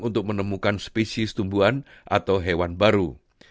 untuk menemukan spesies tumbuhan atau hewan baru